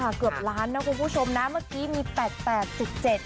ใช่ค่ะเกือบล้านนะคุณผู้ชมนะเมื่อกี้มี๘๘๗บาท